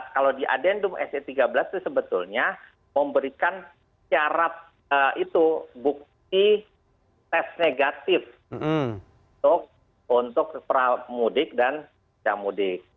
kalau di adendum se tiga belas itu sebetulnya memberikan syarat itu bukti tes negatif untuk pramudik dan mudik